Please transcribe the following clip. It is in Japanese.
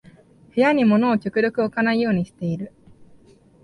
部屋に物を極力置かないようにしてる